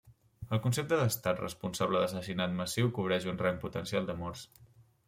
El concepte d'Estat responsable d'assassinat massiu cobreix un rang potencial de morts.